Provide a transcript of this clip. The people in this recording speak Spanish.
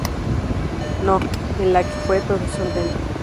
No", en la que fue el profesor Dent.